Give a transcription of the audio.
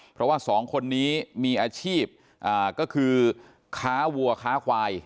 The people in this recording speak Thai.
เพราะว่าสองคนนี้มีอาชีพก็คือค้าวัวค้าควาย